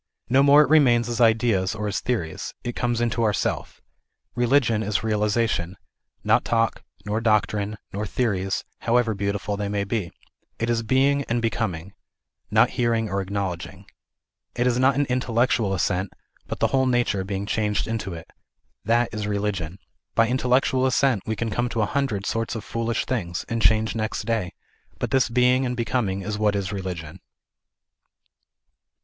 No more it remains as ideas or as theories ; it comes into our Self. Religion is realization, not talk, nor [doctrine, nor theories, however beautiful they may be. It is being and becoming, not hearing or acknowledging ; it is not an intellectual assent, but the whole nature becoming changed into it. That is religion. By intellectual assent we can come to a hundred sorts of foolish things, and change next day, but this being and becoming is what is religion.